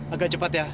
agak cepat ya